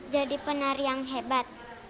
jadi penari yang hebat